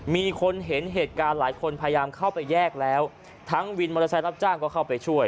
มีคนเห็นเหตุการณ์หลายคนพยายามเข้าไปแยกแล้วทั้งวินมอเตอร์ไซค์รับจ้างก็เข้าไปช่วย